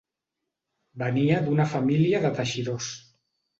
Venia d'una família de teixidors.